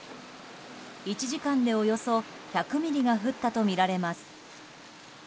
１時間で、およそ１００ミリが降ったとみられます。